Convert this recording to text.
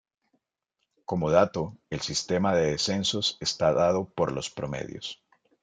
Como dato, el sistema de descensos está dado por los Promedios.